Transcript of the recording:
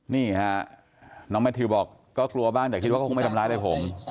นี่ฮะน้องแมททิวบอกก็กลัวบ้างแต่คิดว่าก็คงไม่ทำร้ายอะไรผม